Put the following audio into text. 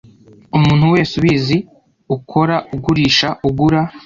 Umuntu wese ubizi ukora ugurisha ugura